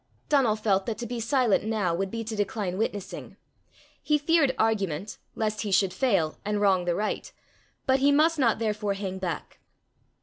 Donal felt that to be silent now would be to decline witnessing. He feared argument, lest he should fail and wrong the right, but he must not therefore hang back.